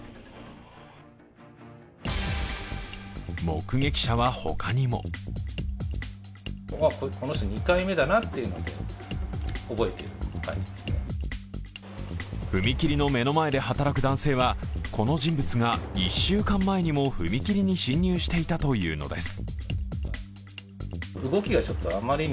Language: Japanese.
目撃者は他にも踏切の目の前で働く男性は、この人物が１週間前にも踏切に侵入していたというのです。